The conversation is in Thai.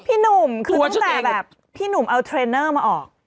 พี่หนูมก็ต้องแต่แบบพี่หนูมเอาเทรนน์เนอร์มาออก